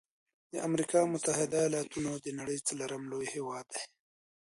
د امريکا متحده ایلاتونو د نړۍ څلورم لوی هیواد دی.